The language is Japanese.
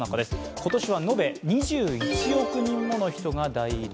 今年は延べ２１億人もの人が大移動。